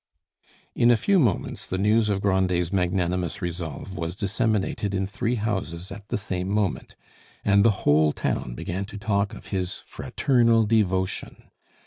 In a few moments the news of Grandet's magnanimous resolve was disseminated in three houses at the same moment, and the whole town began to talk of his fraternal devotion.